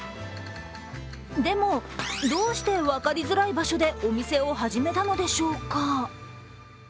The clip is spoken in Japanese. でも、どうして分かりづらい場所でお店を始めたのでしょうか。